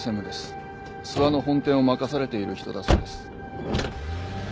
諏訪の本店を任されている人だそうです。